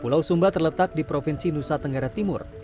pulau sumba terletak di provinsi nusa tenggara timur